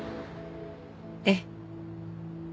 ええ。